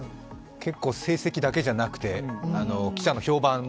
結構成績だけじゃなくて記者の評判も。